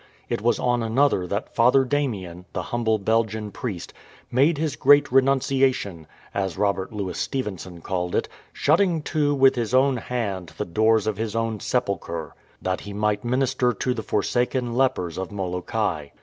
It was on another that Father Damien, the humble Belgian priest, "made his great renunciation,"*"' as Robert Louis Stevenson called it, " shutting to with his own hand the doors of his own sepulchre" that he might minister to the forsaken lepers of Molokai.